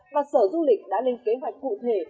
và sở du lịch đã lên kế hoạch cụ thể